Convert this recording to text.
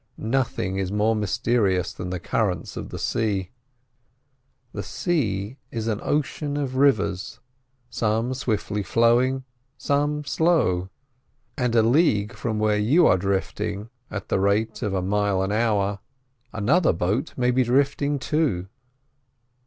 Nothing is more mysterious than the currents of the sea. The ocean is an ocean of rivers, some swiftly flowing, some slow, and a league from where you are drifting at the rate of a mile an hour another boat may be drifting two.